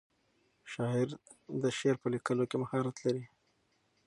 شاعر د شعر په لیکلو کې مهارت لري.